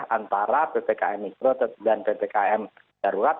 antara ppkm mikro dan ppkm darurat